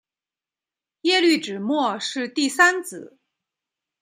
耶律只没是第三子。